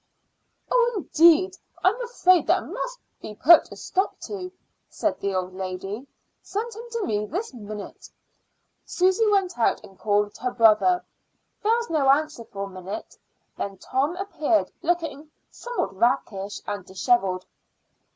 "Oh, indeed! I'm afraid that must be put a stop to," said the old lady. "Send him to me this minute." Susy went out and called her brother. There was no answer for a minute; then Tom appeared, looking somewhat rakish and disheveled.